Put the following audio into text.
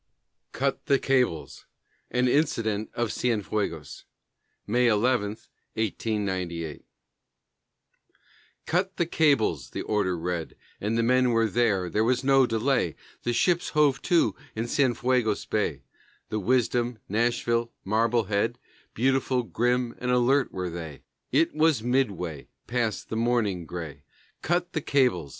"CUT THE CABLES" AN INCIDENT OF CIENFUEGOS [May 11, 1898] "Cut the cables!" the order read, And the men were there; there was no delay. The ships hove to in Cienfuegos Bay, The Windom, Nashville, Marblehead, Beautiful, grim, and alert were they, It was midway, past in the morning gray. "Cut the cables!"